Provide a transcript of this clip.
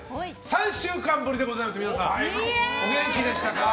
３週間ぶりでございます、皆さん。お元気でしたか？